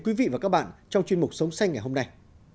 quý vị và các bạn trong chuyên mục sống xanh ngày hôm nay